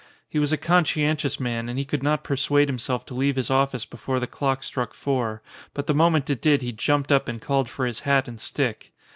He was a conscien tious man and he could not persuade himself to leave his office before the clock struck four, but the moment it did he jumped up and called for his hat and stick.